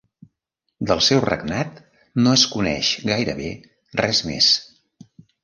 Del seu regnat no es coneix gairebé res més.